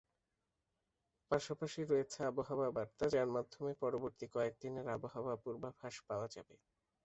পাশাপাশি রয়েছে আবহাওয়া বার্তা, যার মাধ্যমে পরবর্তী কয়েকদিনের আবহাওয়া পূর্বাভাস পাওয়া যাবে।